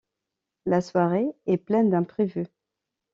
La soirée est pleine d'imprévus.